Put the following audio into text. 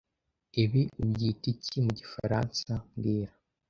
Ibi ubyita iki mu gifaransa mbwira